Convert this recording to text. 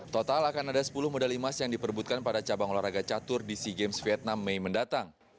total akan ada sepuluh medali emas yang diperbutkan pada cabang olahraga catur di sea games vietnam mei mendatang